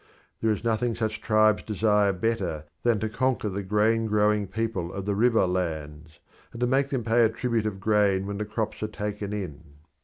There is nothing such tribes desire better than to conquer the corn growing people of the river lands, and to make them pay a tribute of grain when the crops are taken in.